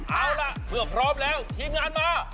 เอาล่ะเมื่อพร้อมแล้วทีมงานมา